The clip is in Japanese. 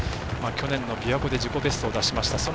去年のびわ湖で自己ベストを出しました。